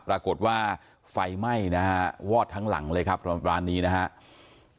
ปรากฏว่าไฟไหม้นะฮะวอดทั้งหลังเลยครับร้านนี้นะครับ